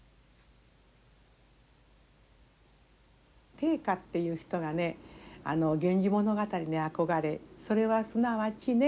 定家っていう人がね「源氏物語」に憧れそれはすなわちね